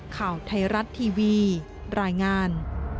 ข่าวไทยรัฐทีวีรายงาน